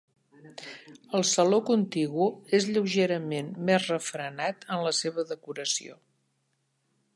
El saló contigu és lleugerament més refrenat en la seva decoració.